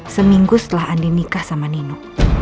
seminggu setelah andi nikah sama nino